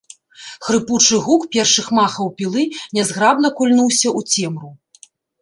Хрыпучы гук першых махаў пілы нязграбна кульнуўся ў цемру.